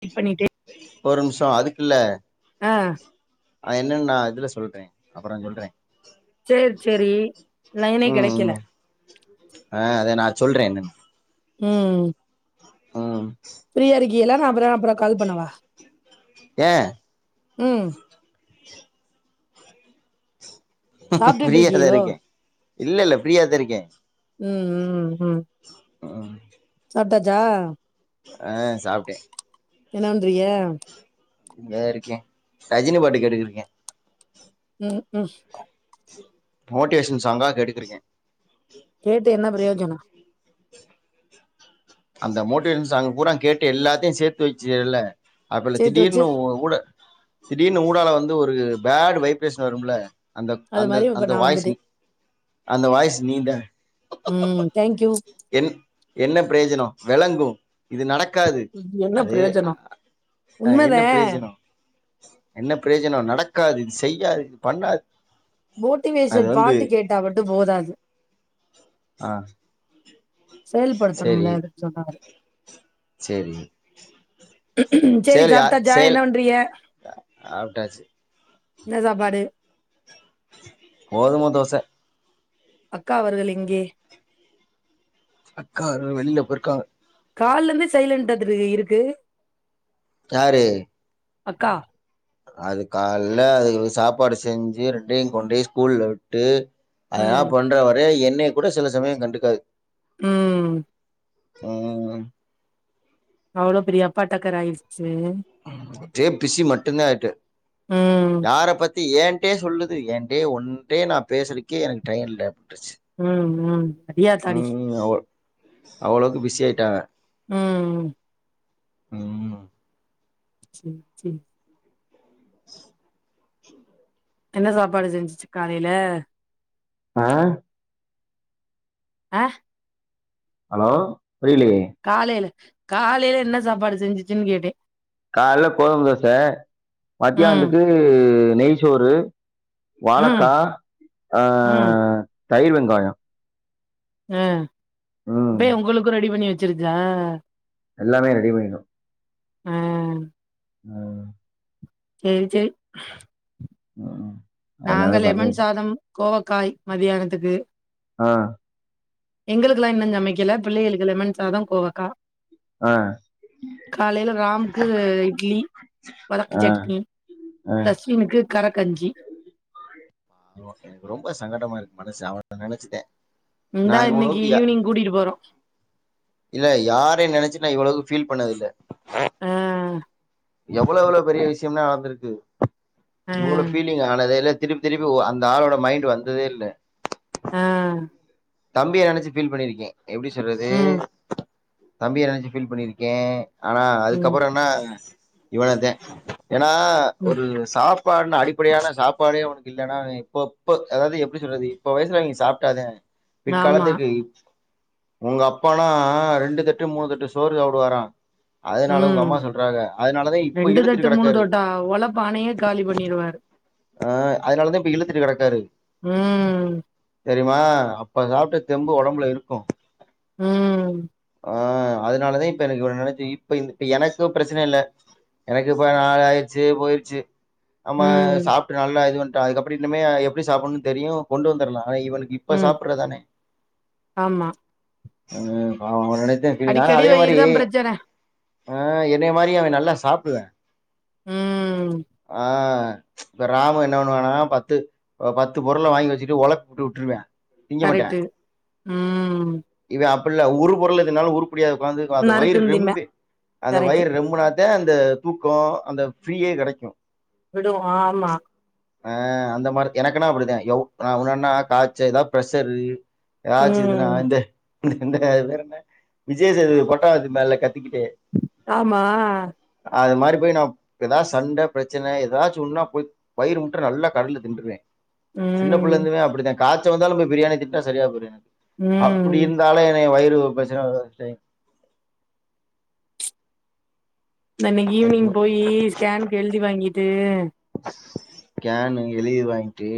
[unintelligible] பண்ணிட்டே ஒரும்சோ அதுக்குல்ல ஆ அயன்னன்னா இதுல சொல் அப்புறம் சொல்றேன் சேரி சேரி லைனே ம் கெடக்கல ம் ஆ அத நா சொல்றே என்னன்னு ம் ம் ஃப்ரீயா இருக்கீகல நா அப்பற அப்பற கால் பண்ணவா ஏ உம் சாப்டிட்டு இருக்கீகலோ இல்லல்ல ஃப்ரீயா தா இருக்கே உம் உம் உம் [unintelligible] சாப்டாசா ஹ சாப்டே என்ன பன்றிக இருக்கே ரஜினி பாட்டு கேட்டுட்ருக்கே உம் க்ம் மோட்டிவேஷன் சாங்கா கேட்டுகிட்டு இருக்கேன் கேட்டு என்ன பிரயோஜனம் அந்த மோட்டி சாங்ஸ் பூரா கேட்டு எல்லாத்தையும் சேர்த்து வச்சுல ஆப்பல சேத்து வச்சு திடீர்னு உங்க கூட திடீர்னு ஊடால வந்து ஒரு பேட் வைப்ரேஷன் வரும்ல அந்த அது அந்த மாரி இப்ப அந்த நா வாய்ஸ் வந்துட்டே அந்த வாய்ஸ் நீதா ம் தேங்க்யூ என் என்ன பிரயோஜனம் விளங்கும் இது நடக்காது என்ன அது பிரயோஜனோ ஆஹ் என்ன உண்மதே பிரயோஜனம் என்ன பிரயோஜனம் நடக்காது இது செய்யாது இது பண்ணாது அது மோட்டிவேஷன் வந்து பாட்டு கேட்டா மட்டும் போதாது ஆஹ் செயல்படுத்தணும்ல ஆக்சுவலா சரி சேரி செய்லயா சாப்ட்டாச்சா என்ன பண்றீக சாப்டாச்சு என்ன சாப்பாடு கோதுமை தோசை அக்கா அவர்கள் எங்கே அக்கா வெளியில போயிருக்காக கால்ல இருந்து சைலன்ட்டா இருக்கு யாரு அக்கா அது கால்ல அது சாப்பாடு செஞ்சு ரெண்டையும் கொண்டு போய் ஸ்கூல்ல விட்டு ம் அதனான் பண்ற ஓரே என் எண்ணைய கூட சில சமயம் கண்டுக்காது உம்ம் உஹம் அவ்ளோ பெரிய அப்பாடக்கரா ஆயிச்சி பிசி மட்டும்தான் ஆயிட்டு ம் யார பத்தி ஏடே சொல்லுது என் கிட்டே உன்கிட்ட பேசுறதுக்கு நான் பேசுறதுக்கே எனக்கு டைய இல்ல உம் உம் உம் உம் அவ அவ்வளவுக்கு பிசி ஆயிட்டாக ம் உம்ம் செரி செரி [inaudible] என்ன சாப்பாடு செஞ்சிச்சு காலையில ஆஹ் ஆஹ் ஹலோ புரியலையே காலையில காலையில என்ன சாப்பாடு செஞ்சிச்சுன்னு கேட்டேன் கால்ல கோதும தோசை ம் மத்தியானத்துக்கு நெய்சோறு ம் வாளக்கா ம் அஹ் தயிர் வெங்காயம் உம் ம் இப்பயே உங்களுக்கும் ரெடி பண்ணி வச்சிருக்கா எல்லாமே ரெடி பண்ணிடும் அஹ் உம் செரி செரி உம் நாங்க லெமன் சாதம் கோவக்காய் மதியானத்துக்கு ஆஹ் எங்களுக்குக்கல்லாம் இன்னும் சமைக்கல பிள்ளைகளுக்கு லெமன் சாதம் கோவக்கா ஆ காலையில ராம்க்கு இட்லி வதக்கு ஆ சட்னி ஆ தஸ்மினுக்கு கரக்கஞ்சி ன நினைச்சுட்டேன் இந்தா இன்னைக்கு ஈவினிங் கூட்டிட்டு போறோம் இல்ல யாரையும் நெனைச்சு நான் இவ்வளவு ஃபீல் பண்ணது இல்ல ஆஹ் எவ்ளோவ் எவ்ளோவ் பெரிய விஷ யம் எல்லாம் நடந்திருக்கு ஆ இவ்ளோ பீலிங்க் ஆனதே இல்ல திருப்பி திருப்பி அந்த ஆளோட மைண்டுவந்ததே இல்ல ஆஹ் தம்பிய நெனைச்சு ஃபீல் பண்ணிருக்கேன் எப்படி சொல்றது ம் தம்பிய நெனைச்சு ஃபீல் பண்ணிருக்கேன் ஆனா ம் அதுக்கப்புறம் என்ன இவளதேன் ஏன்னா ம் ஒரு சாப் சாப்பாடுன அடிப்படையான சாப்பாடே உனக்கு இல்லைன்னா இப்ப இப்ப அதாவது எப்படி சொல்றது இப்ப வயசுல அவங்க சாப்பிட்டாதேன் ஆமா பிற்காலத்திற்க்கு உங்க அப்பானா ரெண்டு தட்டு மூணு தட்டு சோறு சாப்பிடுவாரான் உம் இப்ப ரெண்டு இழுத்துட்டு தட்டு மூணு கெடக்காரு தட்டா ஓழப்பானையே காலி பண்ணிருவாரு ஆஹ் அதுனாலதா இப்ப இழுத்துட்டு கிடக்காரு உம் தெரியமா அப்ப சாப்பிட்ட தெம்பு உடம்புல இருக்கும் உம் ஆஹ் அதுனாலதான் இப்ப எனக்கு நினைச்ச இப்ப இப்ப எனக்கு பிரச்சனை இல்லலை எனக்கு இப்ப நள் ஆயிடுச்சு போயிருச்சு ஆமா ம் சாப்ப இது வந்துட்டு அது எப்புடி இனிமே எப்படி சாப்பிடணும்னு தெரியும் கொண்டு வந்துடலாம் ஆனா இவனுக்கு இப்ப ம் சாப்புடுறதானே ஆமா உம் பாவம் நினைத்த பீலிங் ஆனா அடிக்கடி அதே வயிறு மாரி தான் பிரச்சன ஆஹ் என்னை மாரியும் அவன் நல்லா சாப்பிடுவேன் ம் ஆஹ் [unintelligible] இப்ப ராமு என்ன பண்ணுவன்னா பத்து பத்து பொருளை வாங்கி வச்சுட்டு ஒலப்பி உட்டு வுட்டுருவேன் கரெக்ட்டு உம் புல்ல ஒரு பொருள தின்னாலும் உரு டியதுக்கு வந்து அந்த வயிறு நறுக்குந்திம்பே ரெம்பி அந்த கரெக்ட்டு வயிறு ரெம்புனா அந்த தூக்கம் அந்த ஃப்ரீயே கிடைக்கும் விடும் ஆமா ஆஹ் அந்த மாரி எனக்குனா அப்படிதேன் எவ நான் ஒன்னன்னா காய்ச்ச ஏதாவது ப்ரெஷரு எதாச்சி இதுனா ம் இந்த வேற என்ன விஜய்சேதுபதி போரட்டா வச்சி திம்பால க்கிட்டே ஆமா அது மாரி போய் நான் ஏதாவது சண்டை பிரச்சனை ஏதாச்சி ஒன்னுன்னா வயிறு முட்ட நல்லா கடையில தின்றுவேன் சின்ன ம் புள்ளைருந்துமே அப்படிதான் காய்ச வந்தாலும் போய் பிரியாணி திண்டா சரியா போயிரும் எனக்கு அப்படி ம் இருந்தாலும் என்னைய வயிறு ஒரு பிரச்சனையும் வராது நான் இன்னைக்கி ஈவினிங் போய் ஸ்கேனுக்கு எழுதி வாங்கி [unintelligible] ஸ்கேனு எழுதி வாங்கிட்டு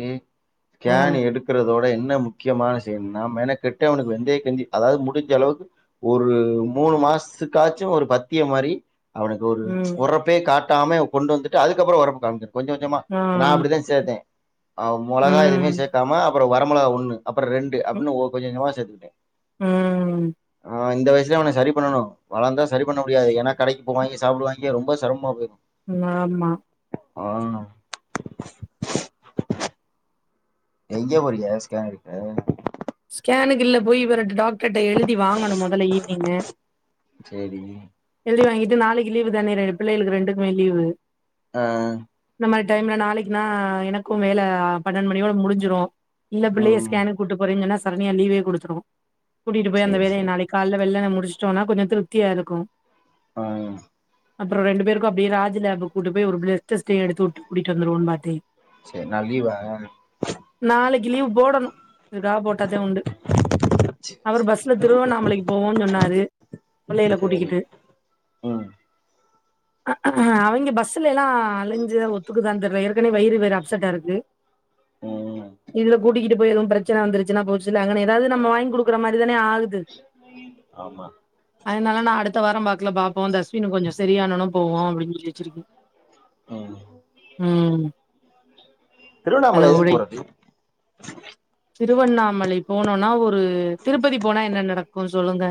ஆ ஸ்கேன் எடுக்கறதோட இப்ப என்ன முக்கியமான விஷயம்னா மெனக்கிட்டு அவனுக்கு வெந்தயக்கஞ்சி அதாவது முடிஞ்ச அளவுக்கு ஒரு மூணு மாசத்துக்காச்சும் ஒரு பத்தியம் மாரி அவனுக்கு ஒரு ம் உறப்பே கா டாமே கொண்டு வந்துட்டு அதுக்கப்புறம் ஒரப்ப காமிக்கணும் கொஞ் சோஞ்சமா ஆ நான் அப்படித்தான் சேர்த்தேன் ம் மொளகா எதுவுமே ம் சேர்க்காம அப்புறம் வரமளகா ஒண்ணு அப்புறம் ரெண்டு அடின்னு கொஞ் கொஞ்சமா சேத் [inaudible] உஹம் இந்த வயசல அவனை சரி பண்ணணும் வளர்ந்தால் சரி பண்ண முடியாது ஏன்ன கடைக்கு போவாங்க சாப்டுவாங்கா ரொம்ப சிரமமாக போயிடும் ஆமா ஆமா ஆஹ் எங்க போரிங்க ஸ்கேன் எடுக்க ஸ்கேனுக்கு இல்ல போய்ர டாக்டர் டிக்ட்டர் எழுதி வாங்கணும் முதல்ல ஈவினிங்க சேரி எழுதி வாங்கிட்டு நாளைக்கு லீவு தானே பிள்ளைகளுக்கு ரெண்டுமே லீவு ஆஹ மாதிரி டைம்ல நாளைக்குனா எனக்கும் வேல பன்னெண்டு மணியோட முடிஞ்சிரும் இல்ல ம் பிள்ளையைஸ்கோனு கூட்டு ங்கன்னா சரனையா லீவே கொடுத்துரும் கூட்டிட்டு போய் அந்த சேரி வேலய சேரி நாளைக்கு காலைல வெள்ளண்ணை முடிச்சுட்டோம்னா கொஞ்சம் திருப்தியா இருக்கும் ஆஹ அப்புறம் ரெண்டு பேருக்கும் அப்படியே ராஜ் லேப் கூட்டு போய் ஒரு பிள்ட ஸ்ட் எடுத்துட்டு கூட்டிட்டு வந்துவோன்னு பாத்தே செரி நாள் லீவா நாளைக்கு லீவ் போடனு இதுக்காக போட்டத்தா உண்டு அப்புறம் பஸ்ல திருவண்ணாமலைக்கு போவோம்ன்னு சொன்னாரு பிள்ளையில சேரி கூட்டிக்கிட்டு ம் ஹஹ அவங்க பஸ்ல எல்லாம் அலைஞ்ச ஒத்துக்குதான் தெர்ற ஏற்கனவே வயிறு வேற அப்செட்டா இருக்கு ம் இதுல கூட்டிக்கிட்டு போய் எதுவும் பிர ச்சன வந்துருச்சுனா போச் சு அங்கன ஏதாவது நம்ம வாங்கி கொடுக்குற மாதிரி தானே ஆகுது ஆமா அதனால நான் அடுத்த வாரம் பாக்கு பாப்போம் தஸ்வின் கொஞ்சம் சரியனும் போவோ அப்படின்னு சொல்லி வச்சிருக்கக்க ம் உம் திருவண்ணாமலை எதுக்கு போறது திருவண்ணாமலை போனோனா ஒரு திருப்பதி போனா என்ன நடக்கும் இருக்கும்ன்னு சொல்லுங்க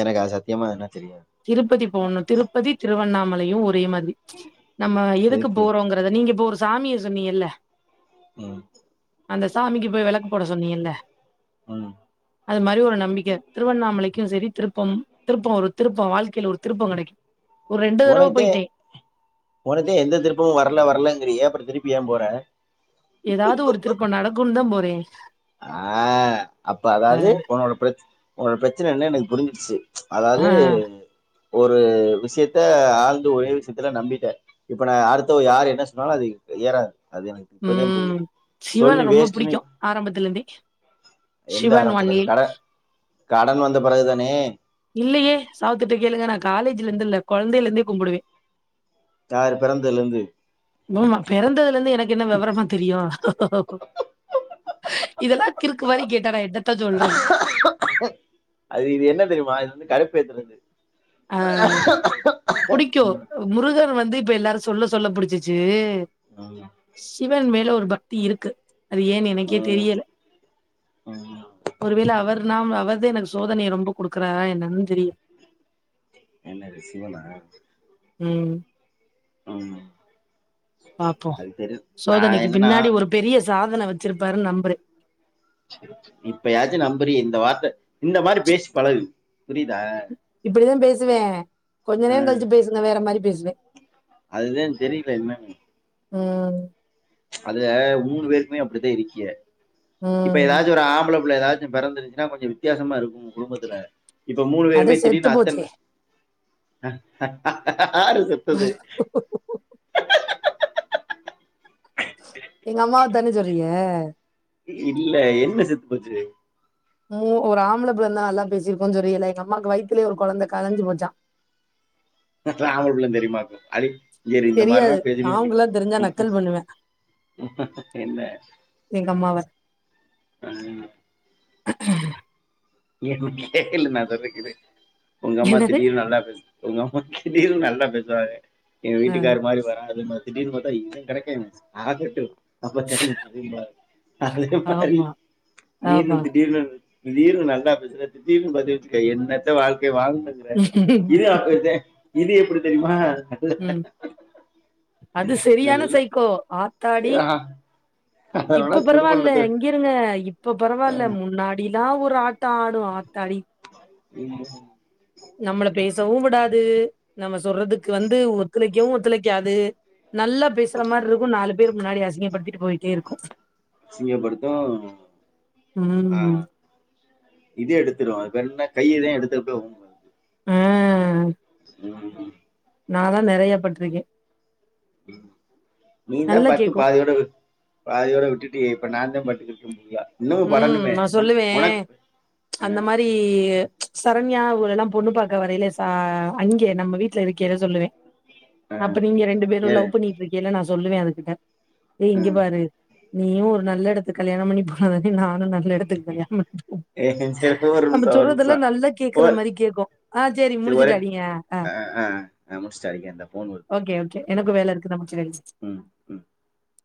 எனக்கு அது சத்தியமா எதுனா தெரியாது திருப்பதி போகணும் திருப்பதி திருவண்ணாமலை ங்களையும் ஒரே மாதி நம்ம எதுக்கு போறோங்கறத நீங்க போற சாமிய சொன்னிங்கள உம் சாமிக்கு போய் விளக்கு போட சொன்னீல்ல ம் அது மாதிரி ஒரு நம்பிக்கை திருவண்ணாமலைக்கும் சரி திருப்பம் வரும் திருப்பம் திருப்பம் வாழ்க்கை ழ்க்கையில ஒரு திருப்பம் கிடைக்கும் உனக்குதே உனக்குதே எந்த திருப்பமும் வரல வர்லங்கிரியே அப்புறம் திருப்பி ஏ போற ஏதாவது ஒரு திருப்பம் நடந் க்கும் தான் போறேன் ஆ அப்ப அ அதாவது உன்னோட பிரச்ச உனோட பிரச்சனை என்ன எனக்கு புரிஞ்சிச்சு அதாவது ஆ ஒரு விஷயத்த ஆழ்ந்து ஒரே விஷயத்துல நம்பிட்டேன் இப்ப நான் அடுத்த யார்ரு என்ன சொன்னாலும் அது ஏறாது அது எனக்கு இப்பதான் ம் புரியுது சிவன சொல்லி ரொம்ப வேஸ்ட்டனு புடிக்கும் ஆரம்பத்துல இருந்தே எந்த சிவன் ஒன் ஆரம்பத்துல ஏ கடன் கடன் வந்த பிறகுதானே இல்லையே சாவத்துகிட்ட கேளுங்க நான் காலேஜ்ல இருந்து இல்ல குழந்தையில இருந்தே கும்பிடுவேன் யாரு பிறந்ததுல இருந்து பூமா பிறந்ததுல இருந்து எனக்கு என்ன வெவரமா தெரியும் இதெல்லாம் கிருக்கு மாதிரி கேட்டே நான் என்னத அது இது என்ன தெரியுமா இது கடுப்பேத்துறது ஆஹ புடிக்கும் முருகர் வந்து இப்ப எல்லாரும் சொல்ல சொல்ல புடிச்சிச்சு சிவன் மேல ஒரு பக் க்தி இருக்கு அது ஏன் எனக்கே தெரியல ஒருவேளை அவர் நாம் அவர் இது எனக்கு சோதனை ரொம்ப குடுக்குறாற என்னன்னு தெரியு என்னது சிவனா ம் ஆமா பாப்போ சோதனைக்கு பின்னாடி ஒரு பெரிய சாதன வச் சிருப்பாரு நம்புறே இப்ப யாச்சு நம்புறியே இந்த வார்த்த இந்த மாரி பேசி பழகு புரிதா இப்டிதா பேசுவே கொஞ்சநேர கழிச்சி பேசுங்க வேற மாரி பேசு [unintelligible] அதுத தெரியல என்னன்னு உம் அதுல மூணு பேருக்குமே அப்டித்தா இருக்கிய இப்ப ம் ஏதாச்சு ஒரு ஆம்பள புள்ள ஏதாச்சு பிறந்துடுச்சின்னா கொஞ்ச வித்தியாசமா இருக்கு குடும்பத்துல இப்ப மூணு அதே பேருமே செத்து திடீர்னு போச்சே அத்தன்ன ஆரு செத்தது எங்க அம்மாவ தானே சொல்றீக இல்ல என்ன செத்து போச்சு மு ஒரு ஆம்பள புள்ள இருந்தா நல்லா பேசியிருப்போ சொல்ரிங்கள்ள எங்க அம்மாவுக்கு வயித்திலே ஒரு கொழந்த கலஞ்சு போச்சா [unintelligible] அம்பளபுள்ளன்னு தெரியுமா [unintelligible] செரி இந்த மாரி எல்லா தெரியாது பேசின வெச்சிகோ நாவுங்களா தெரிஞ்சா ஹு நக்கல் பண்ணுவே ஹு என்ன எங்க அம்மாவ நீ என்னா கேளு நா சொல்றே கேளு உங்க அம்மா என்னது திடீர்னு நல்லா பேசு உங்கம்மா கிடீர் நல்லா பேசுவாங்க என் ஆ வீட்டுக்காரு மாரி வராதுன்னு திடீர்னு பாத்தா இவ கடைக்கே ஆகட்டு அப்பத்த திரும்பி [inaudible] அதே மாரி ஆமா நீனு ஆமா திடீர்னு திடீர்னு நாங்க நல்லா பேசுற திடிர்னு பாத்தன்னு வெச்சிகோ என்னத்த வாழ் க்க வாழ்ந்துகிற [unintelligible] இது எப்டி தெரியுமா [inaudible] ம் அது சரியான நல்லா சைக்கோ ஆத்தாடி அதனால இப்ப குடும்பம் பரவால்ல நடத்த இங்கிருங்க இப்ப பரவால்ல முன்னாடி நா ஒரு ஆட்ட ஆடும் ஆத்தாடி [unintelligible] நம்மள பேசவும் விடாது நம்ம சொல்றதுக்கு வந்து ஒத்துழைக்கவும் ஒத்துழைக்காது நல்லா பேசுற மாரி இருக்கும் நாலு பேர் முன்னாடி அசிங்கப்படுத்திட்டு போயிட்டே இருக்கும் அசிங்கப்படுத்தும் உஹம் இதே எடுத்துடுவோம் அது பேரன்னா கையைதான் எடுத்துட்டுவோம் ஆ உம் நான்தான் நிறைய பட்டிருக்கேன் நீ தான் பட்டு கேட்கும். பாதியோட வி பாதியோட விட்டுட்டியே இப்ப நான் தான் பட்டுக்கிட்டு [unintelligible] உம் படணுமே நான் உன சொல்லுவேன் உனக்கு அந்த ஆ மாரி சரண்யா அவுகளல்லாம் பொண்ணு பாக்க வரலே ச அங்கே நம்ம வீட்டுல இருக்கேல்ல சொல்லுவேன் ஆ அப்ப நீங்க ரெண்டு பேரும் இரு லவ் பண்ணிட்டு இருக்கெல்ல நா சொல்லுவேன் அதுகிட்ட ஏ இங்க ம் பாரு நீயும் ஒரு நல்ல இடத்துக் கல்யாணம் பண்ணி அதுவரைக்கு நானு நல்லா எடுத்துக் தனியா ஏ சரி ஒரு நம்ம நிமிஷோ ஒரு நிமிஷோ சொல்றதெல்லாம் நல்லா கேக்குற ஓ மாரி கேக்கும் அஹ் சரி முடிச்சுட்டு அடிங்க அஹ் ஆ ஆ ஆ முடிச்சுட்டு அடிக்கிறே இந்தா ஃபோன் வருது ஓகே ஓகே எனக்கு வேலை இருக்கு நம்ம ம் ம் [unintelligible]